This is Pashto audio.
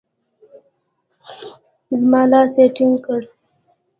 زما لاس يې ټينګ کړ.